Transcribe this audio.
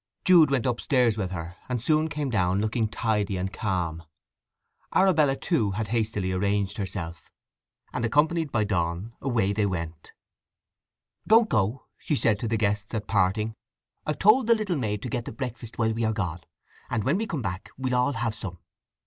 Jude went upstairs with her, and soon came down looking tidy and calm. Arabella, too, had hastily arranged herself, and accompanied by Donn away they went. "Don't go," she said to the guests at parting. "I've told the little maid to get the breakfast while we are gone; and when we come back we'll all have some.